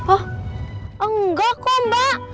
oh enggak kok mbak